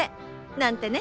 なんてね。